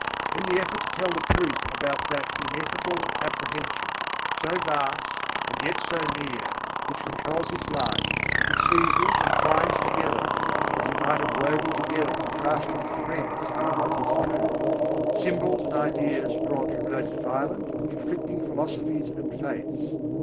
In the effort to tell the truth about that ineffable apprehension, so vast and yet so near, which controls his life, he seizes and twines together as he might have woven together contrasting threads upon his loom symbols and ideas drawn from the most violent and conflicting philosophies and faiths.